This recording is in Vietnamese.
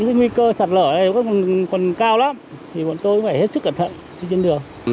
nguy cơ sạt lở này còn cao lắm thì bọn tôi phải hết sức cẩn thận trên đường